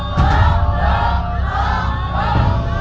ตัวเลือดที่๓๕๑